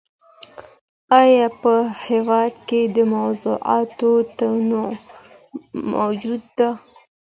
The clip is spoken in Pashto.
آيا په هېواد کي د موضوعاتو تنوع موجوده ده؟